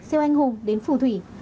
siêu anh hùng đến phù thủy